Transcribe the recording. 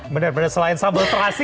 benar benar selain sambal terasi